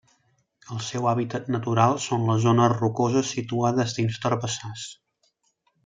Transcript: El seu hàbitat natural són les zones rocoses situades dins d'herbassars.